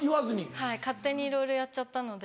はい勝手にいろいろやっちゃったので。